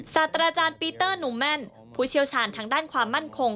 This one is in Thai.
ศาสตราจารย์ปีเตอร์หนูแม่นผู้เชี่ยวชาญทางด้านความมั่นคง